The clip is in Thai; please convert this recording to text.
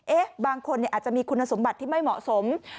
บางคนอาจจะมีคุณสมบัติที่ไม่เหมาะสม